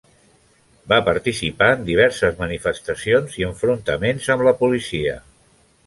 Va participar en diverses manifestacions i enfrontaments amb la policia.